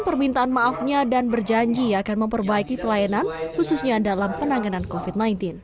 permintaan maafnya dan berjanji akan memperbaiki pelayanan khususnya dalam penanganan covid sembilan belas